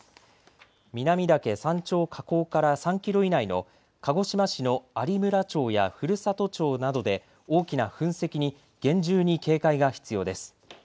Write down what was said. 南岳山頂火口から３キロ以内の鹿児島市の有村町や古里町などで大きな噴石に厳重に警戒が必要です。